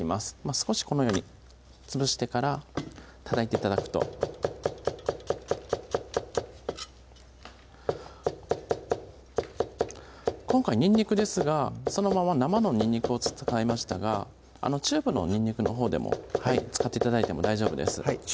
少しこのようにつぶしてからたたいて頂くと今回にんにくですがそのまま生のにんにくを使いましたがチューブのにんにくのほうでも使って頂いても大丈夫です